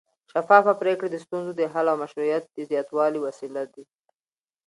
شفافه پرېکړې د ستونزو د حل او مشروعیت د زیاتوالي وسیله دي